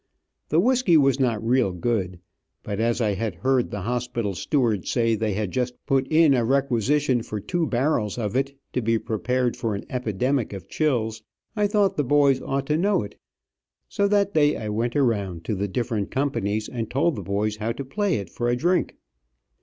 The whisky was not real good, but as I had heard the hospital steward say they had just put in a requisition for two barrels of it, to be prepared for an epidemic of chills, I thought the boys ought to know it, so that day I went around to the different companies and told the boys how to play it for a drink.